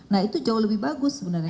nah itu jauh lebih bagus sebenarnya